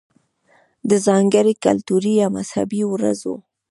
ده ځانګړې کلتوري يا مذهبي ورځو